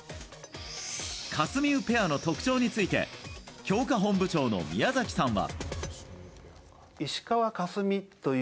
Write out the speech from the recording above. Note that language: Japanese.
かすみうペアの特徴について強化本部長の宮崎さんは。